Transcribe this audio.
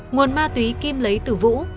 nguồn ma túy kim lấy từ vũ